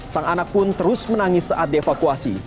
sang anak pun terus menangis saat dievakuasi